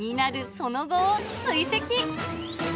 その後を追跡。